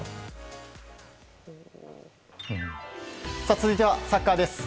続いてはサッカーです。